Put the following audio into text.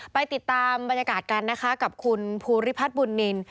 ไปติดตามบรรยากาศกันนะคะกับคุณภูริพัฒน์บุญนิน